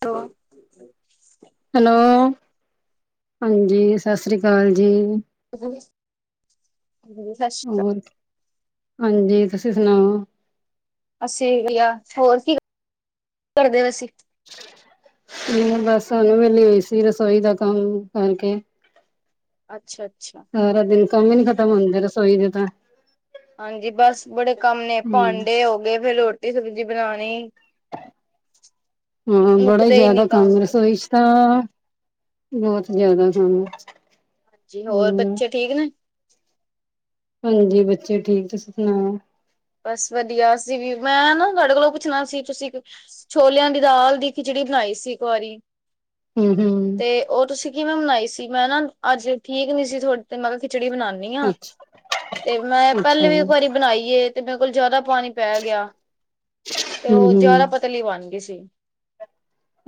ਤੋ ਹੈਲੋ ਹਾਂਜੀ ਸਤਿ ਸ੍ਰੀ ਅਕਾਲ ਜੀ। ਸਤਿ ਸ਼੍ਰੀ ਅਕਾਲ। ਹੋਰ ਹਾਂਜੀ ਤੁਸੀਂ ਸੁਣਾਓ। ਅਸੀਂ ਯਾ ਹੋਰ ਕੀ ਕਰਦੇ ਪਏ ਅਸੀਂ ਬਸ ਸਾਨੂੰ ਵੇਲੀ ਹੋਈ ਸੀ ਰਸੋਈ ਦਾ ਕੰਮ ਕਰਕੇ ਅੱਛਾ-ਅੱਛਾ ਸਾਰਾ ਦਿਨ ਕੰਮ ਈ ਨੀ ਖ਼ਤਮ ਹੁੰਦੇ ਰਸੋਈ ਦੇ ਤਾਂ ਹਾਂਜੀ ਬਸ ਬੜੇ ਕੰਮ ਨੇ ਹੂੰ। ਭਾਂਡੇ ਹੋ ਗਏ ਫਿਰ ਰੋਟੀ ਸਬਜ਼ੀ ਬਣਾਣੀ। ਹਾਂ ਬੜਾ ਹੀ ਜਾਦਾ ਕੰਮ ਰਸੋਈ 'ਚ ਤਾ ਬੋਤ ਜਾਦਾ ਕੰਮ ਜੀ ਹੋਰ ਹੂੰ ਬੱਚੇ ਠੀਕ ਨੇ। ਹਾਂਜੀ ਬੱਚੇ ਠੀਕ ਤੁਸੀਂ ਸੁਣਾਓ। ਬਸ ਵਧੀਆ ਅਸੀ ਵੀ ਮੈਂ ਨਾ ਤੁਹਾਡੇ ਕੋਲੋਂ ਪੁੱਛਣਾ ਸੀ ਤੁਸੀਂ ਛੋਲਿਆਂ ਦੀ ਦਾਲ ਦੀ ਖਿਚੜੀ ਬਣਾਈ ਸੀ ਇੱਕ ਵਾਰੀ ਹੂੰ-ਹੂੰ ਤੇ ਓ ਤੁਸੀਂ ਕਿਵੇਂ ਬਨਾਈ ਸੀ ਮੈਂ ਨਾ ਅੱਜ ਠੀਕ ਨੀ ਸੀ ਥੋੜੀ ਤੇ ਮੈਂ ਕਿਆ ਖਿਚੜੀ ਬਣਾ ਨਈ ਓ ਅੱਛਾ, ਤੇ ਮੈਂ ਅੱਛਾ ਪਹਿਲੇ ਵੀ ਇੱਕ ਵਾਰੀ ਬਣਾਈਏ ਤੇ ਮੇਰੇ ਕੋਲ ਜਿਆਦਾ ਪਾਣੀ ਪੈ ਗਿਆ। ਤੇ ਉਹ ਹੂੰ-ਹੂੰ ਜ਼ਿਆਦਾ ਪਤਲੀ ਬਣ ਗਈ ਸੀ।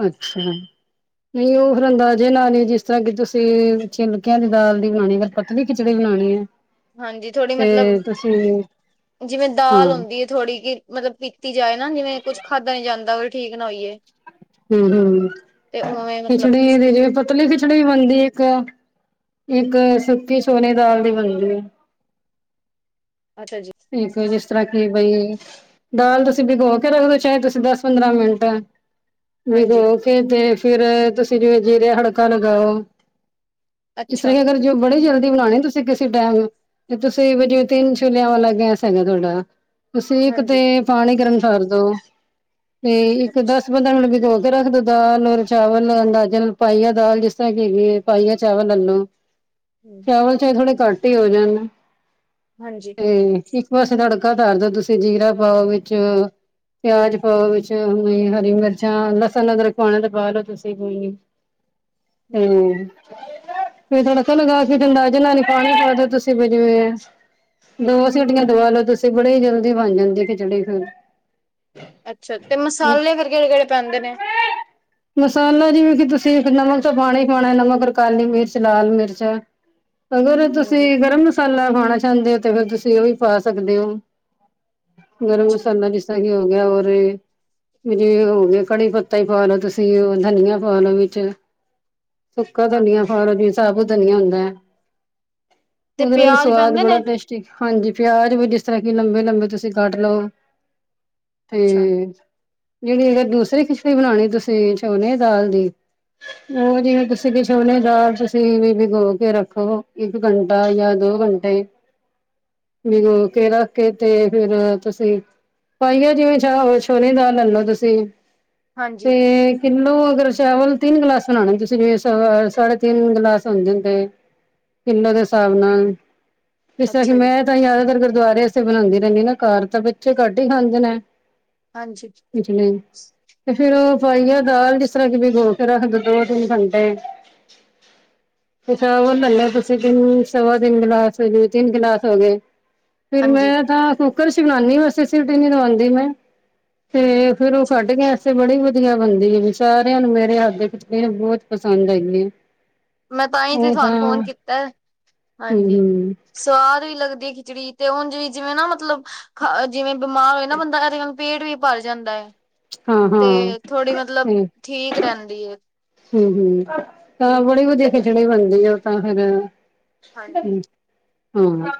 ਅੱਛਾ। ਨਈ ਓ ਫਿਰ ਅੰਦਾਜ਼ੇ ਨਾਲ ਨੀ ਜਿਸ ਤਰ੍ਹਾਂ ਕੀ ਤੁਸੀਂ ਛਿਲਕਿਆਂ ਦੀ ਦਾਲ ਦੀ ਬਣਾਣੀ ਐ। ਪਤਲੀ ਖਿਚੜੀ ਬਣਾਣੀ ਐ। ਹਾਂਜੀ ਥੋੜ੍ਹੀ ਮਤਲਬ, ਜਿਵੇਂ ਹਾਂ ਦਾਲ ਹੁੰਦੀ ਏ ਥੋੜ੍ਹੀ ਕੀ ਮਤਲਬ ਪੀਤੀ ਜਾਏ ਨਾ ਜਿਵੇਂ ਕੁੱਛ ਖਾਧਾ ਨੀ ਜਾਂਦਾ ਠੀਕ ਨਾ ਹੋਈਏ। ਹੂੰ-ਹੂੰ ਤੇ ਉਵੇਂ ਮਤਲਬ ਖਿਚੜੀ ਦੀ ਜਿਵੇਂ ਪਤਲੀ ਖਿਚੜੀ ਬਣਦੀ ਐ ਇੱਕ? ਇੱਕ ਸੁੱਕੇ ਛੋਨੇ ਦਾਲ ਦੇ ਬਣਦੇ ਐ। ਅੱਛਾ ਜੀ। ਠੀਕ ਐ ਜਿਸ ਤਰ੍ਹਾਂ ਕੀ ਬਈ ਦਾਲ ਤੁਸੀਂ ਭਿਗੋ ਕੇ ਰੱਖ ਦੋ ਚਾਹੇ ਤੁਸੀਂ ਦਸ- ਪੰਦਰਾਂ ਮਿੰਟ ਹਾਂਜੀ ਵਿਗੋ ਕੇ ਤੇ ਫੇਰ ਤੁਸੀਂ ਜਿਵੇਂ ਜੀਰੇ ਹੜਕਾ ਲਗਾਓ। ਤੇ ਅੱਛਾ ਫੇਰ ਉਨਾ ਨੂੰ ਤੇ ਬੜੀ ਜਲਦੀ ਬਣਾਣੇ ਤੁਸੀਂ ਕਿਸੇ ਟੈਮ ਤੇ ਤੁਸੀਂ [unintelligible] ਤਿੰਨ ਛੋਲਿਆਂ ਵਾ ਗੈਸ ਹੈਗਾ ਤੁਹਾਡਾ ਤੁਸੀਂ ਇਕ ਤੇ ਹਾਂਜੀ ਪਾਣੀ ਗਰਮ ਛਡਦੋ। ਹੂੰ ਇੱਕ ਅੱਛਾ ਦੱਸ ਪੰਦਰਾ ਮਿੰਟ ਬੀਗੋ ਕੇ ਰੱਖ ਦਿੱਤਾ ਨੀਰੇ ਚਾਵਲ ਐ ਅੰਨਦਾਜਾ ਪਾਈਆ ਦਾਲ ਜਿਸ ਤਰਾਂ ਦੀ ਹੈਗੀ ਏ ਪਾਈਆ ਚਾਵਲ ਲੈਲੋ। [inaudible] ਹੂੰ ਚਾਵਲ ਚੇਏ ਥੋੜੇ ਘੱਟ ਈ ਹੋ ਜਾਣ। ਹਾਂਜੀ। ਹੂੰ ਇੱਕ ਪਾਸੇ ਤੜਕਾ ਤਰਦੋ ਤੁਸੀਂ ਜੀਰਾ ਪਾਓ ਵਿੱਚ ਪਿਆਜ ਪਾਓ ਵਿੱਚ, ਹਰੀ ਮਿਰਚਾਂ, ਲਸਣ, ਅਦਰਕ ਪਾਂਣਾ ਤਾਂ ਪਾਲੋ ਤੁਸੀਂ ਕੋਈ ਨੀ। ਹਮ ਹੂੰ। ਫੇ ਤੜਕਾ ਲਗਾ ਕੇ ਅੰਦਾਜ਼ੇ ਨਾਲ ਨੀ ਪਾਣੀ ਪਾਦੋ ਤੁਸੀਂ ਭਿਗੋਏ ਐ। ਦੋ ਸੀਟੀਆਂ ਦਵਾ ਲੋ ਤੁਸੀਂ ਬੜੀ ਜਲਦੀ ਬਣ ਜਾਂਦੀ ਖਿਚੜੀ ਫੇਰ। ਅੱਛਾ ਤੇ ਮਸਾਲੇ ਫੇਰ ਕੇੜੇ-ਕੇੜੇ ਪੈਂਦੇ ਨੇ? ਮਸਾਲਾ ਜਿਵੇਂ ਕਿ ਤੁਸੀਂ ਨਮਕ ਤਾਂ ਪਾਨੀ ਪਾਣਾ ਨਮਕ, ਕਾਲੀ ਮਿਰਚ, ਲਾਲ ਮਿਰਚ ਔਰ ਅਗਰ ਤੁਸੀਂ ਹਾਂਜੀ ਗਰਮ ਮਸਾਲਾ ਪਾਂਣਾ ਚਾਂਦੇ ਓ ਤੇ ਫੇਰ ਤੁਸੀਂ ਓ ਵੀ ਪਾ ਸਕਦੇ ਓ। ਔਰ ਉਸ ਅੱਛਾ ਹਿਸਾਬ ਨਾਲ ਵਿਸਾ ਨੀ ਹੋ ਰਿਹਾ ਅਰੇ। ਵੀ ਜਿਵੇਂ ਹੋ ਗਿਆ ਕੜੀ ਪੱਤਾ ਈ ਪਾ ਲ ਤੁਸੀਂ ਓ ਧਨੀਆ ਪਾਲੋ ਵਿੱਚ ਸੁੱਕਾ ਧਨੀਆ ਹਾਂਜੀ ਪਾਲੋ, ਫੇਰ ਸਾਬੁ ਧਨੀਆ ਹੁੰਦੈ। ਤੇ ਉਦੇ ਨਾਲ ਈ ਪਿਆਜ ਸਵਾਦ ਪੈਂਦੇ ਨੇ ਬੜਾ ਟੇਸ ਹਾਂਜੀ ਪਿਆਜ ਵੀ ਜਿਸ ਤਰ੍ਹਾਂ ਕਿ ਲੰਬੇ-ਲੰਬੇ ਤੁਸੀਂ ਕਟਲੋ। ਤੇ ਅੱਛਾ ਜੇੜੀ ਅ ਦੂਸਰੀ ਖਿਚੜੀ ਬਣਾਣੀ ਤੁਸੀਂ ਛੋਨੇ ਦਾਲ ਦੀ ਓ ਜਿਵੇਂ ਤੁਸੀਂ ਕਿਸ ਛੋਲਿਆ ਦਾਲ ਤੁਸੀਂ ਵੀ ਵਿਗੋ ਕੇ ਰੱਖੋ। ਕੀ ਇੱਕ ਘੰਟਾ ਜਾਂ ਦੋ ਘੰਟੇ ਬਿਗੋ ਕੇ ਰੱਖ ਕੇ ਤੇ ਫਿਰ ਤੁਸੀਂ ਪਾਈਆ ਜਿਵੇਂ ਛਾ ਛੱਲੇ ਦੀ ਦਾਲ ਲੈ ਲੋ ਤੁਸੀਂ ਹਾਂਜੀ ਤੇ ਕਿੱਲੋ ਅਗਰ ਚਾਵਲ ਤਿੰਨ ਗਲਾਸ ਬਣਾਣੇ ਤੁਸੀਂ ਜਿਵੇਂ ਸਾਢੇ ਤਿੰਨ ਗਿਲਾਸ ਹੁੰਦੇਤੇ ਫੇਰ ਉਨਾ ਦੇ ਹਿਸਾਬ ਨਾਲ। ਜਿਸ ਅੱਛਾ ਜੀ ਮੈਂ ਤਾਂ ਜਾਦਾਤਰ ਗੁਰਦੁਆਰੇ ਇੱਥੇ ਬਣਾਦੇ ਰਹਿੰਦੇ ਨਾ ਘਰ ਤਾਂ ਕਿੱਥੇ ਘੱਟ ਈ ਖਾਂਦੇ ਨੇ। ਹਾਂਜੀ। ਪਿਛਲੇ ਤੇ ਫਿਰ ਓ ਪਾਈਆ ਦਾਲ, ਜਿਸ ਤਰ੍ਹਾਂ ਕੀ ਵੀਗੋ ਕੇ ਰੱਖਦੋ ਦੋ ਤਿੰਨ ਘੰਟੇ। ਪਿਛਾ ਓ ਚਾਵਲ ਲੈਲੋ, ਤਿੰਨ ਸਵਾ ਤਿੰਨ ਗਲਾਸ [unintelligible] ਤਿੰਨ ਗਲਾਸ ਹੋ ਗਏ, ਫਿਰ ਹਾਂਜੀ ਮੈਂ ਤਾਂ ਕੁੱਕਰ 'ਚ ਈ ਬਣਾਈ ਆ ਮੈਂ ਵੈਸੇ, ਸਿਟੀ ਨੀ ਲਵਾਂਦੀ ਮੈਂ, ਤੇ ਫੇਰ ਓ ਅੱਛਾ ਕੱਟ ਗੈਸ ਤੇ ਫੇਰ, ਬੜੀ ਵਧੀਆ ਬਣਦੀ ਆ। ਸਾਰਿਆਂ ਨੂੰ ਮੇਰੇ ਹੱਥ ਦੀ [unintelligible] ਪਸੰਦ ਹੈਗੀ ਐ। ਮੈਂ ਤਾਂਈ ਤੇ ਤੁਹਾਨੂੰ ਫੋਨ ਕੀਤਾ, ਹਾਂਜੀ। ਹਮ ਸਵਾਦ ਵੀ ਲੱਗਦੀ ਏ ਖਿਚੜੀ, ਤੇ ਉਂਜ ਵੀ ਜਿਵੇਂ ਨਾ ਮਤਲਬ ਖ ਜਿਵੇਂ ਬਿਮਾਰ ਹੋਏ ਨਾ ਬੰਦਾ, ਇਹਦੇ ਨਾਲ ਪੇਟ ਵੀ ਭਰ ਜਾਂਦਾ ਏ। ਹਾਂ ਹਾਂ ਤੇ ਥੋੜ੍ਹੀ ਮਤਲਬ, ਠੀਕ ਰਹਿੰਦੀ ਏ। ਹੂੰ-ਹੂੰ, ਤਾਂ ਬੜੀ ਵਧੀਆ ਖਿਚੜੀ ਬਣਦੀ ਆ ਤਾਂ ਫੇਿਰ ਹਾਂਜੀ ਹੂੰ,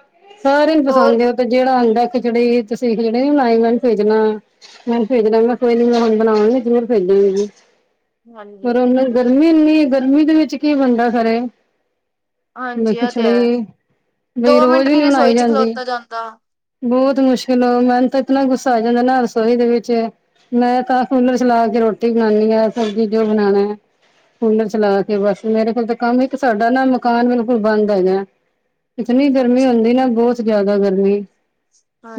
ਸਾਰਿਆ ਨੂੰ ਹੋਰ ਪਸੰਦ ਏ ਓ ਤੇ ਜਿਹੜਾ ਆਂਦਾ ਐ ਖਿਚੜੀ, ਤੁਸੀਂ ਖਿਚੜੀ ਨੀ ਬਣਾਈ, ਮੈਨੂੰ ਭੇਜਣਾ ਮੈਂ ਭੇਜਦਾਗਾਂ ਕੋਈ ਨੀ, ਮੈਂ ਹੁਣ ਬਣਾਵਾਂਗੀ, ਜਰੂਰ ਭੇਜਗੀਂ ਜੀ। ਪਰ ਹਾਂਜੀ ਉਹ ਗਰਮੀ ਇੰਨੀ ਏ, ਗਰਮੀ ਦੇ ਵਿੱਚ ਕੀ ਬੰਦਾ ਕਰੇ। ਹਾਂਜੀ ਇਹ ਤੇ ਹੈ ਖਿਚੜੀ, ਬਈ ਦੋ ਰੋਜ਼ ਮਿੰਟ ਵੀ ਨੀ ਬਨਾਈ ਰਸੋਈ ਚ ਜਾਂਦੀ। ਖਲੋਤਾ ਜਾਂਦਾ ਬੋਤ ਮੁਸ਼ਕਿਲ ਹੋ, ਮੈਨ ਤਾਂ ਇਤਨਾ ਗੁੱਸਾ ਆ ਜਾਂਦਾ ਨਾ ਰਸੋਈ ਦੇ ਵਿੱਚ ਮੈਂ ਤਾਂ, ਕੂਲਰ ਚਲਾ ਕੇ ਰੋਟੀ ਬਣਾਉਾਨਣੀ ਆ। ਸਬਜ਼ੀ ਜੋ ਬਨਾਣਾ ਐ, ਕੂਲਰ ਚਲਾ ਕੇ। ਤੇ ਬਸ, ਮੇਰੇ ਕੋਲ ਤਾਂ ਕੰਮ ਇੱਕ ਸਾਡਾ ਨਾ ਮਕਾਨ, ਬਿਲਕੁਲ ਬੰਦ ਏਗਾ। ਇਤਨੀ ਗਰਮੀ ਅੱਛਾ ਹੁੰਦੀ ਨਾ, ਬੋਤ ਜ਼ਿਆਦਾ ਗਰਮੀ,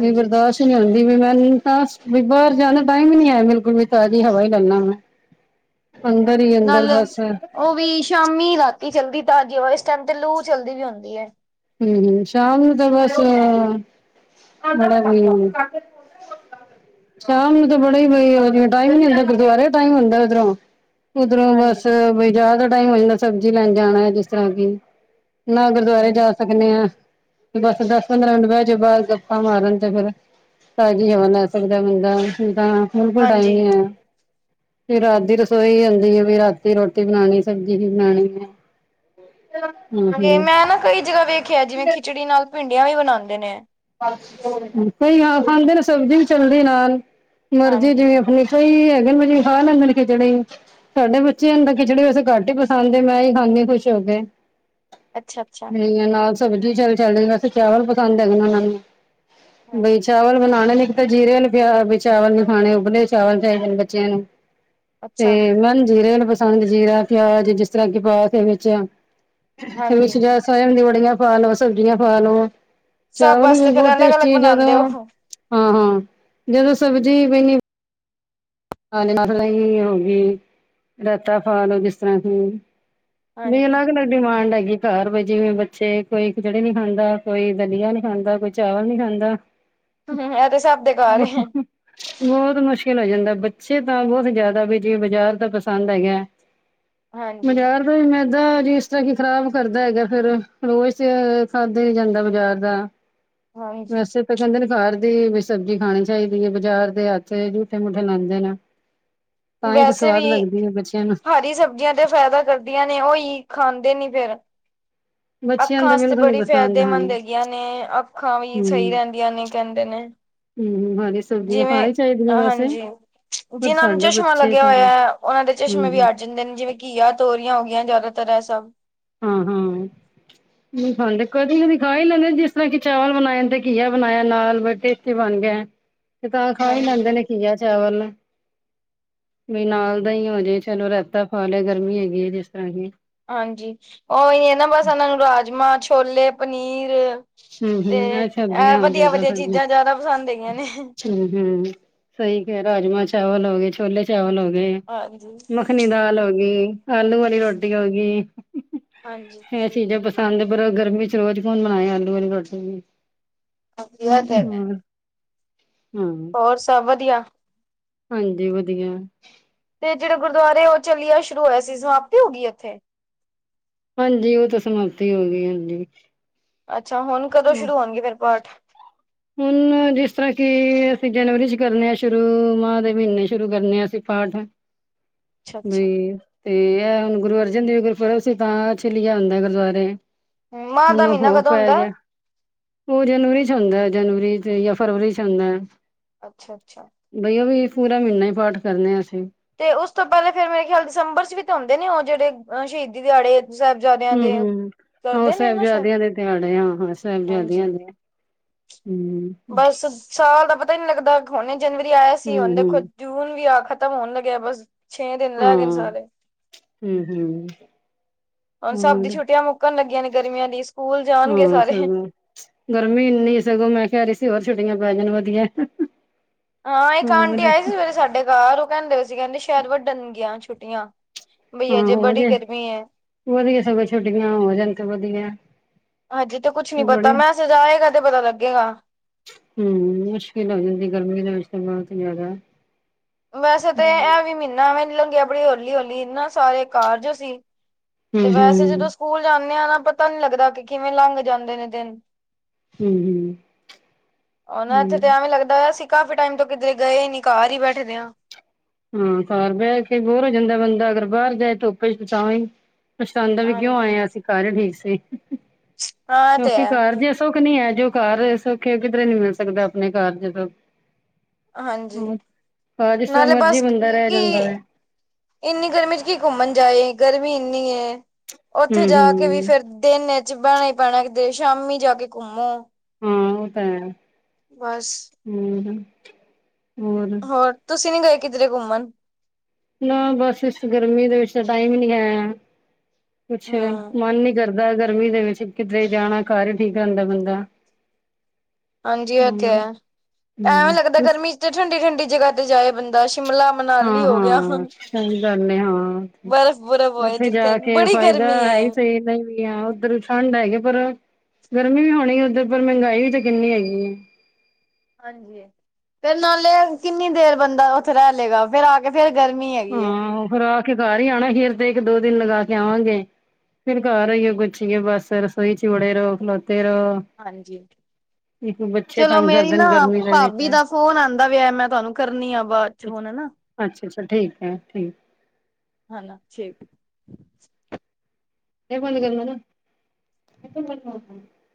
ਵੀ ਬਰਦਾਸ਼ਤ ਨੀ ਹੁੰਦੀ, ਵੀ ਮੈਨੂੰ ਤਾਂ ਬਾਹਰ ਜਾਣਾ ਟਾਈਮ ਹੀ ਨੀ ਆ, ਬਿਲਕੁਲ ਵੀ ਤਾਜ਼ੀ ਹਵਾ ਈ ਲੈਲਾ ਮੈਂ। ਅੰਦਰ ਈ ਅੰਦਰ, ਨਾਲੇ ਬਸ ਉਹ ਵੀ ਸ਼ਾਮੀ-ਰਾਤੀ ਚਲਦੀ ਤਾਜ਼ੀਹਵਾ, ਇਸ ਟੈਮ ਤੇ ਲੂ ਚਲਦੀ ਵੀ ਹੁੰਦੀ ਏ। ਹੂੰ-ਹੂੰ, ਸ਼ਾਮ ਨੂੰ ਤਾਂ ਬਸ ਬੜਾ ਸ਼ਾਮ ਨੂੰ ਤਾਂ ਬੜਾ ਈ ਬਈ ਟਾਈਮ ਨੀ ਹੁੰਦਾ, ਗੁਰਦੁਆਰੇ ਟਾਈਮ ਹੁੰਦਾ ਉਧਰੋਂ ਉਧਰੋਂ ਹਾਂਜੀ ਬਸ, ਬਜਹ ਦਾ ਟਾਈਮ ਹੋ ਜਾਂਦਾ, ਸਬਜ਼ੀ ਲੈਣ ਜਾਣਾ ਹੈ ਜਿਸ ਤਰ੍ਹਾਂ ਕਿ ਨਾ ਗੁਰਦੁਆਰੇ ਹਮ ਜਾ ਸਕਣੇ ਆ। ਬਸ ਦਸ ਪੰਦਰਾਂ ਮਿੰਟ ਬਹਿ 'ਚ, ਬਾਅਦ ਗੱਪਾ ਮਾਰਨ ਤੇ ਫੇਿਰ ਤਾਜ਼ੀ ਹਵਾ ਲੈ ਸਕਦਾ ਬੰਦਾ, ਤਾਂ ਬਿਲਕੁਲ ਟਾਈਮ ਹਾਂਜੀ ਨੀ ਐ। ਫ ਰਾਤ ਦੀ ਰਸੋਈ ਆਉਦੀ ਏ, ਵੀ ਰਾਤੀ ਰੋਟੀ ਬਣਾਉਣੀ, ਸਬਜ਼ੀ ਵੀ ਬਣਨੀ ਏ। ਹ। ਹੂੰ। ਤੇ ਮੈਂ ਨਾ ਕਈ ਜਗ੍ਹਾ ਵੇਖਿਆ, ਜਿਵੇਂ ਖਿਚੜੀ ਨਾਲ ਭਿੰਡੀਆਂ ਵੀ ਬਣਾਂਦੇ ਨੇ। ਕਈ ਹਾਂ ਖਾਂਦੇ ਨੇ, ਸਬਜ਼ੀ ਵੀ ਚੱਲਦੀ ਨਾਲ, ਮਰਜ਼ੀ ਹਾਂਜੀ ਜਿਵੇਂ ਅਪਨੀ। ਕਈ ਹੈਗੇ, ਮਿਲੀ ਖਾ ਲੈਂਦੇ ਨੇ ਖਿਚੜੀ ਸਾਡੇ ਬੱਚਿਆਂ ਨੂੰ ਤਾਂ, ਖਿਚੜੀ ਵੈਸੇ ਘੱਟ ਈ ਪਸੰਦ ਏ। ਮੈਂ ਈ ਖਾਨੀਂ ਖੁਸ਼ ਹੋ ਕੇ। ਅੱਛਾ-ਅੱਛਾ, ਠੀਕ ਨਾਲ ਸਬਜ਼ੀ ਚੱਲ ਚੱਲਦੀ, ਹੀ ਵੈਸੇ ਚਾਵਲ ਪਸੰਦ ਹੈਗਾਨਾਂ ਨੂੰ। ਹਾਂ ਬਈ ਚਾਵਲ ਬਨਾਣੇ ਨੇ ਜੀਰੇ ਵਾਲੇ ਪ ਚਾਵਲ ਨੀ ਖਾਣੇ, ਉਬਲੇ ਚਾਵਲ ਚਾਈਦੇ ਨੇ ਬੱਚਿਆਂ ਨੂੰ। ਅੱਛਾ ਤੇ ਮੈਨੂੰ ਜੀਰੇ ਵਾਲੇ ਪਸੰਦ, ਜੀਰਾ, ਪਿਆਜ, ਜਿਸ ਤਰ੍ਹਾਂ ਕਿ ਪਾ ਕੇ ਵਿੱਚ ਹਾਂਜੀ ਸੋਇਆਬੀਨ ਦੀ ਬੜੀਆਂ ਪਾ ਲਵੋ, ਸਬਜ਼ੀਆਂ ਪਾ ਲਵੋ। ਸਭ ਬਸ ਬਹੁਤ ਟੇਸਟੀ ਜਦੋਂ, ਹਾਂ-ਹਾਂ, ਜਦੋਂ ਸਬਜ਼ੀ ਪੈਂਨੀ ਹ ਮਸਲਾ ਹੀ ਹੋ ਗਈ। ਰੈਤਾ ਪਾਲੋ, ਜਿਸ ਤਰ੍ਹਾਂ ਕਿ ਹਾਂਜੀ, ਅਲਗ-ਅਲਗ, ਡਿਮਾਂਡ ਆਈ ਏ। ਘਰ ਵ ਜਿਵੇਂ ਬੱਚੇ, ਕੋਈ ਖਿਚੜੀ ਨੀ ਖਾਂਦਾ, ਕੋਈ ਦਲੀਆ ਨੀ ਖਾਂਦਾ, ਕੋਈ ਚਾਵਲ ਨੀ ਖਾਂਦਾ। [inaudible] ਐਤੇ ਸਭ ਦੇ ਘਰ ਏ, ਹ ਬੋਤ ਮੁਸ਼ਕਿਲ ਹੋ ਜਾਂਦਾ, ਬੱ ਅੱਛੇ ਤਾਂ ਬਹੁਤ ਜਿਆਦਾ ਵੀ ਜੀ ਬਜ਼ਾਰ ਤਾਂ ਪਸੰਦ ਹੈਗਾ, ਹਾਂਜੀ। ਬਜ਼ਾਰ ਮੈਦਾ ਜ ਇਸ ਤਰ੍ਹਾਂ ਕੀ ਖ਼ਰਾਬ ਕਰਦਾ ਹੈਗਾ ਫੇਰ, ਰੋਜ਼ ਤੇ ਖਾਧੇ ਨੀ ਜਾਂਦਾ ਬਜ਼ਾਰ ਦਾ। ਹਾਂਜੀ ਵੈਸੇ ਤੇ ਕਹਿੰਦੇ ਨੇ ਘਰ ਦੀ ਵੀ ਸਬਜ਼ੀ ਖਾਣੀ ਚਾਹੀਦੀ ਏ, ਬਜ਼ਾਰ ਦੇ ਹੱਥ ਜੂਠੇ-ਮੂਠੇ ਲਾਂਦੇ ਨੇ। [inaudible] ਵੈਸੇ ਵੀ ਸਵਾਦ ਲੱਗਦੀ ਹੈ ਬੱਚਿਆਂ ਨੂੰ ਹਰੀ ਸਬਜ਼ੀਆਂ ਤੇ ਫਾਇਦਾ ਕਰਦੀਆਂ ਨੇ, ਓਈ ਖਾਂਦੇ ਨੀ ਫਿਰ। ਬੱਚਿਆਂ ਨੂੰ ਅੱਖਾਂ ਤਾਂ ਆਸਤੇ ਬਿਲਕੁਲ ਨੀ ਬੜੀ ਪਸੰਦ ਹੈ ਫਾਇਦੇਮੰਦ ਹੈਗੀਆਂ ਨੇ, ਅੱਖਾਂ ਵੀ ਸਹੀ ਰਹਿੰਦੀਆਂ ਨੇ ਕਹਿੰਦੇ ਨੇ। ਹੂੰ, ਹੂੰ ਹਰੀ ਸਬਜ਼ੀਆਂ ਖਾਣੀ ਚਾਹੀਦੀਆਂ ਵੈਸੇ। ਪਰ ਜਿਹਨਾਂ ਨੂੰ ਸਾਡੇ ਚਸ਼ਮਾ ਬੱਚੇ ਲੱਗਿਆ ਤਾਂ ਹੋਇਆ, ਉਹਨਾਂ ਦੇ ਚਸ਼ਮੇ ਵੀ ਹੂੰ-ਹੂੰ ਹਟ ਜਾਂਦੇ ਨੇ, ਜਿਵੇਂ ਘੀਆ, ਤੋਰੀਆਂ ਹੋ ਗਈਆਂ ਜ਼ਿਆਦਾਤਰ ਐ ਸਭ। ਹਾਂ-ਹਾਂ। ਨਹੀ ਖਾਂਦੇ, ਕਦੀ-ਕਦੀ ਖਾਈ ਲੈਂਦੇ ਨ, ਜਿਸ ਤਰ੍ਹਾਂ ਕਿ ਚਾਵਲ ਬਣਾਏ ਤੇ ਘੀਆ ਬਣਾਇਆ ਨਾਲ, ਵੀ ਟੇਸਟੀ ਬਣ ਗੇ। ਤੇ ਤਾਂ ਖਾਈ ਹਾਂਜੀ। ਲੈਂਦੇ ਨ, ਘੀਆ-ਚਾਵਲ। ਵੀ ਨਾਲ ਦਹੀ ਹੋਜੇ ਚਲੋ, ਰਾਹੇਤਾ ਪਾ ਲਿਆ, ਗਰਮੀ ਹੈਗੀ ਏ, ਜਿਸ ਤਰ੍ਹਾਂ ਕਿ। ਹਾਂਜੀ, ਓਹੀ ਏਨਾ ਬਸ, ਉਹਨਾਂ ਨੂੰ ਰਾਜਮਾਂ, ਛੋਲੇ, ਪਨੀਰ ਹੂੰ-ਹੂੰ ਤੇ, ਇਹ ਐ ਸਬਜ਼ੀਆਂ ਹਾਂ ਦੇ ਵਧੀਆ-ਵਧੀਆ ਚੀਜ਼ਾਂ ਜ਼ਿਆਦਾ ਪਸੰਦ ਹੈਗੀਆਂ ਨੇ। ਹੂੰ-ਹੂੰ, ਸਹੀ ਕਿਹਾ, ਰਾਜਮਾਂ-ਚਾਵਲ ਹੋ ਗਏ, ਛੋਲੇ ਚਾਵਲ ਹੋਗੇ। ਹਾਂਜੀ ਮੱਖਣੀ-ਦਾਲ ਹੋਗੀ, ਆਲੂ ਵਾਲੀ ਰੋਟੀ ਹੋਗੀ। ਹਾਂਜੀ ਇਹ ਚੀਜ਼ਾਂ ਪਸੰਦ ਨੇ, ਪਰ ਗਰਮੀ'ਚ ਰੋਜ਼ ਕੌਣ ਬਣਾਏ ਆਲੂ ਵਾਲੀ ਰੋਟੀ। ਵਧੀਆ ਤੇ ਹੋਰ, ਹਾਂ। ਹੋਰ, ਸਭ ਵਧੀਆ? ਹਾਂਜੀ, ਵਧੀਆ। ਤੇ ਜਿਹੜੇ ਗੁਰਦੁਆਰੇ ਉਹ ਜੇੜਾ ਚੱਲਿਆ ਸ਼ੁਰੂ ਹੋਇਆ ਸੀ, ਸਮਾਪਤੀ ਹੋ ਗਈ ਇੱਥੇ? ਹਾਂਜੀ, ਉਹ ਤੇ ਸਮਾਪਤੀ ਹੋਗੀ-ਹੋਗੀ। ਅੱਛਾ, ਹੁਣ ਕਦੋਂ ਸ਼ੁਰੂ ਹੋਣਗੇ ਫੇਰ ਪਾਠ? ਹੁਨ ਜਿਸ ਤਰ੍ਹਾਂ ਕਿ ਅਸੀਂ ਜਨਵਰੀ'ਚ ਕਰਨੇ ਆ ਸ਼ੁਰੂ, ਮਾਂ ਦੇ ਮਹੀਨੇ ਸ਼ੁਰੂ ਕਰਨੇ ਆ ਅਸੀਂ ਪਾਠ। ਅੱਛਾ ਵੀ ਅੱਛਾ ਤੇ, ਐ ਹੁਣ ਗੁਰੂ ਅਰਜਨ ਦੇਵ ਜੀ ਗੁਰਪੁਰਬ ਸੀ ਤਾਂ ਚੱਲਿਆ ਹੁੰਦਾ ਗੁਰਦੁਆਰੇ। ਮਾਂਹ ਹੁਣ, ਦਾ ਮਹੀਨਾ ਹੋਰ ਕਦੋਂ ਹੁੰਦਾ ਪੈਗਿਆ। ਉਹ ਜਨਵਰੀ'ਚ ਹੁੰਦਾ, ਜਨਵਰੀ ਤੇ ਯਾ ਫਰਵਰੀ'ਚ ਹੁੰਦਾ। ਅੱਛਾ-ਅੱਛਾ। ਬਈ, ਉਹ ਵੀ ਪੂਰਾ ਮ੍ਹੀਨਾ ਈ ਪਾਠ ਕਰਨੇ ਆ ਅਸੀਂ। ਤੇ ਉਸ ਤੋਂ ਪਹਿਲਾਂ ਫੇਰ ਮੇਰੇ ਖਿਆਲ ਦਸੰਬਰ'ਚ ਵੀ ਤੇ ਹੁੰਦੇ ਨੇ ਉਹ, ਜਿਹੜੇ ਸ਼ਹੀਦੀ ਦਿਹਾੜੇ। ਸਾਹਿਬਜ਼ਾਦ- ਹੂੰ-ਹੂੰ, ਆਹੋ ਸਾਹਿਬਜ਼ਾਦਿਆਂ ਦੇ ਦਿਹਾੜੇ ਆ, ਹਾਂ ਹਾਂਜੀ ਸਾਹਿਬਜ਼ਾਦਿਆਂ ਦੇ। ਹੰ। ਬਸ, ਸਾਲ ਦਾ ਪਤਾ ਨਹੀਂ ਲੱਗਦਾ, ਹੁਣੇ ਜਨਵਰੀ ਆਇਆ ਸੀ, ਹੁਣ ਦੇਖੋ ਹੂੰ-ਹੂੰ। ਜੂਨ ਵੀ ਆਹ ਖ਼ਤਮ ਹੋਣ ਲੱਗਿਆ, ਬਸ। ਛੇ ਦਿਨ ਰਹਿ ਗਏਨ ਹਾਂ, ਸਾਰੇ। ਹੂੰ-ਹੂੰ ਹੁਣ ਸਭ ਦੀ ਹੋਰ ਛੁੱਟੀਆਂ ਮੁੱਕਣ ਲੱਗੀਆਂ ਨੇ ਗਰਮੀਆਂ ਦੀ, ਸਕੂਲ ਜਾਣਗੇ ਹਾਂ ਸਾਰੇ। ਸਗੋਂ ਗਰਮੀ ਇੰਨੀ ਸਗੋਂ ਮੈਂ ਕੈ ਰੀ ਸੀ ਹੋਰ ਛੁੱਟੀਆਂ ਪੈ ਜਾਣ ਵਧੀਆ ਐ। ਹਾਂ, ਇੱਕ ਆਂਟੀ ਆਈ ਸੀ ਸਵੇਰੇ ਸਾਡੇ ਘਰ। ਓ ਕੈਂਦੇ ਸੀ ਕੈਂਦੇ ਸ਼ੈਦ ਵੱਢਣ ਗੀਆਂ ਛੁੱਟੀਆਂ। ਬਈ ਹੂੰ। ਅਜੇ ਹੋ ਬੜੀ ਜੇ ਗਰਮੀ ਹੈ ਵਧੀਆ ਸਗੋਂ ਛੋਟੀਆਂ ਹੋ ਜਾਣ ਤੇ ਵਧੀਐ। ਅਜੇ ਤੇ ਕੁੱਛ ਨੀ ਪਤਾ। ਮੈਸੇਜ ਆਏਗਾ ਤੇ ਪਤਾ ਲੱਗੇਗਾ। ਹੂੰ। ਮੁਸ਼ਕਿਲ ਹੋ ਜਾਂਦੀ ਗਰਮੀ ਦੇ ਵਿੱਚ ਤੇ ਬੋਤ ਜਾਦਾ। ਵੈਸੇ ਤੇ ਐ ਵੀ ਮੀਨਾ ਐਵੇਂ ਲੰਗਿਆ ਬੜੀ ਹੌਲੀ-ਹੌਲੀ ਇਨਾਂ, ਸਾਰੇ ਘਰ ਜੋ ਸੀ। ਤੇ ਵੈਸੇ ਜਦੋਂ ਹੂੰ-ਹੂੰ, ਸਕੂਲ ਜਾਂਨੇ ਆਂ ਨਾ ਪਤਾ ਨੀ ਲੱਗਦਾ ਕਿ ਕਿਵੇਂ ਲੰਘ ਜਾਂਦੇ ਨੇ ਦਿਨ। ਹੂੰ। ਅਨਾਂ ਹੂੰ ਏਥੇ ਤੇ ਹੂੰ। ਐਂਵੇਂ ਲੱਗਦਾ ਵਆ ਸੀ- ਕਾਫੀ ਟਾਈਮ ਤੋਂ ਕਿਧਰੇ ਗਏ ਇਨੀ, ਘਰ ਈ ਬੈਠੇ ਦੇਆਂ। ਹੂੰ। ਘਰ ਬੈ ਕੇ ਬੋਰ ਹੋ ਜਾਂਦਾ ਐ ਬੰਦਾ, ਅਗਰ ਬਾਰ ਜਾਏ ਧੁੱਪੇ ਚ ਤਾਂ ਵੀ - ਪਸ਼ਤਾਂਦਾ ਏ ਵੀ ਕੇਓਂ ਹਾਂਜੀ ਆਏ ਆਂ ਅਸੀ, ਘਰ ਈ ਠੀਕ ਸੀ ਹਾਂ ਤੇ ਕਉਂਕਿ ਹੈ ਘਰ ਸੁੱਖ ਨੀ ਹੈ, ਜੋ ਘਰ ਏ ਸੁਖ ਏ ਕਿਧਰੇ ਨੀ ਮਿਲ ਸਕਦਾ। ਅਪਨੇ ਘਰ ਜਦੋਂ ਹਾਂਜੀ ਹੂਂ, ਘਰ ਜਿਸ ਤਰਾਂ ਨਾਲੇ ਮਰਜੀ ਬਸ ਬੰਦਾ ਰੈ ਕਿ ਜਾਂਦਾ ਵੇ। ਇੰਨੀ ਗਰਮੀ ਚ ਕੀ ਘੁੰਮਣ ਜਾਏ। ਗਰਮੀ ਇਨੀ ਏ। ਹੂੰ ਓਥੇ ਜਾ ਕੇ ਵੀ ਹੂੰ ਫੇਰ ਦਿਨ ਏਚ ਬੈਣਾ ਹੀ ਪੈਣਾ, ਕਿਤੇ ਸ਼ਾਮੀ ਜਾ ਕੇ ਘੁੰਮੋ। ਹਾਂ, ਓ ਤਾਂ ਹੈ। ਵਸ। ਹੂੰ। ਹੋਰ ਹੋਰ ਤੁਸੀ ਨੀ ਗਏ ਕਿਧਰੇ ਘੁੰਮਣ? ਨਾ ਬਸ ਇਸ ਗਰਮੀ ਦੇ ਵਿੱਚ ਤਾਂ ਟਾਈਮ ਨੀ ਹੈ। ਕੁਛ ਹਮ ਮਨ ਨੀ ਕਰ ਦਾ ਗਰਮੀ ਦੇ ਵਿੱਚ ਕਿਧਰੇ ਜਾਣਾ ਘਰ ਈ ਠੀਕ ਰੇਂਦਾ ਬੰਦਾ। ਹਾਂਜੀ। ਏ ਤੇ ਹੋਰ ਹੈ, ਐਵੇਂ ਹੂੰ ਲੱਗਦਾ ਗਰਮੀ ਚ ਤੇ ਠੰਡੀ-ਠੰਡੀ ਜਗ੍ਹਾ ਤੇ ਜਾਏ ਬੰਦਾ ਸ਼ਿਮਲਾ ਮਨਾਲੀ ਹਾਂ ਹੋ ਗਆ, ਹਾਂ ਸਹੀ ਗੱਲ ਏ ਹਾਂ ਬਰਫ਼ ਬੁਰਫ਼ ਹੋਏ ਜਿੱਥੇ। ਬੜੀ ਗਰਮੀ ਏ। ਤੇ ਨਈ ਵੀ ਹਾਂ ਓਧਰ ਠੰਡ ਹੈਗੀ, ਪਰ ਗਰਮੀ ਵੀ ਹੋਣੀ ਓਧਰ ਪਰ ਮੈਂਗਾਈ ਵੀ ਤੇ ਕਿੰਨੀ ਹੈਗੀ ਏ। ਹਾਂਜੀ। ਫੇਰ ਨਾਲੇ ਕਿੰਨੀ ਦੇਰ ਬੰਦਾ ਓਥੇ ਰੈ ਲੇਗਾ ਫੇਰ ਆ ਤੇ ਫੇਰ ਗਰਮੀ ਹੈਗੀ ਏ। ਘੋਮ ਫੇਰ ਆ ਘਰ ਈ ਆਣਾ। ਅਖੀਰ ਤੇ ਇੱਕ ਦੋ ਦਿਨ ਲਗਾ ਕੇ ਆਵਾਂਗੇ। ਫੇਰ ਘਰ ਰਈਏ ਕੁੱਛ ਵੀ ਬਸ ਰਸੋਈ ਚ ਵੜੇ ਰੋ ਖਲੋਤੇ ਰੋ ਹਾਂਜੀ। ਇਕ ਬੱਚ ਚਲੋ ਮੇਰੀ ਨਾ ਭਾਬੀ ਦਾ ਫੋਨ ਆਂਦਾ ਵੇਆ। ਮੈਂ ਤਾਨੂੰ ਕਰਨੀ ਆ ਬਾਦ ਚ ਫੋਨ ਹੈਨਾ। ਅੱਛ ਅੱਛਾ। ਠੀਕ ਐ ਠੀਕ। ਹਨਾ ਛੇ ਨਈ ਬੰਦ ਕਰਨਾ ਨਾ